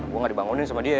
gue gak dibangunin sama dia